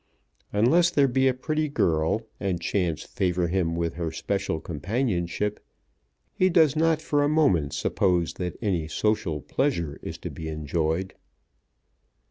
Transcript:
Unless there be a pretty girl, and chance favour him with her special companionship, he does not for a moment suppose that any social pleasure is to be enjoyed.